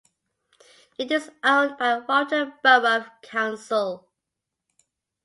It is owned by Warrington Borough Council.